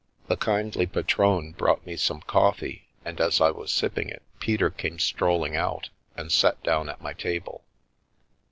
The kindly patronne brought me some coffee, and as I was sipping it, Peter came strolling out, and sat down at my table.